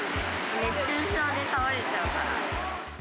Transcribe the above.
熱中症で倒れちゃうから。